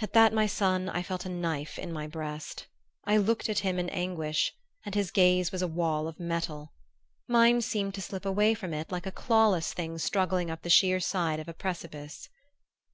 At that, my son, I felt a knife in my breast. I looked at him in anguish and his gaze was a wall of metal. Mine seemed to slip away from it, like a clawless thing struggling up the sheer side of a precipice.